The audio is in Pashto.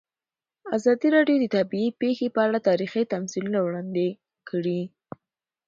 ازادي راډیو د طبیعي پېښې په اړه تاریخي تمثیلونه وړاندې کړي.